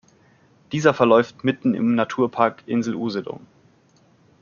Dieser verläuft mitten im Naturpark Insel Usedom.